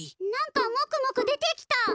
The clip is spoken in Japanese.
何かもくもく出てきた！